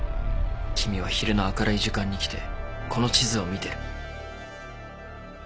君は昼の明るい時間に来てこの地図を見てる。